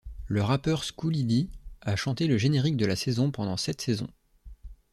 Le rappeur Schoolly D a chanté le générique de la série pendant sept saisons.